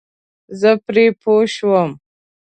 زه پرې پوه شوم.